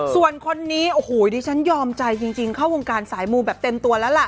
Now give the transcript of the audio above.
ส่วนคนนี้โอ้โหดิฉันยอมใจจริงเข้าวงการสายมูแบบเต็มตัวแล้วล่ะ